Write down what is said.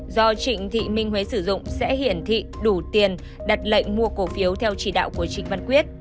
do trịnh thị minh huế sử dụng sẽ hiển thị đủ tiền đặt lệnh mua cổ phiếu theo chỉ đạo của trịnh văn quyết